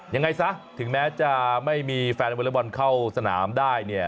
ยังไงซะถึงแม้จะไม่มีแฟนวอลเวอร์บอลเข้าสนามได้